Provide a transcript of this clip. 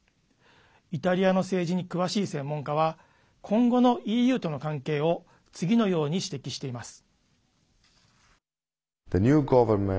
イタリアの政治に詳しい専門家は今後のＥＵとの関係を次のように指摘しています。